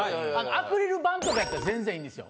アクリル板とかやったら全然いいんですよ。